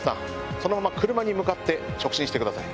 そのまま車に向かって直進してください。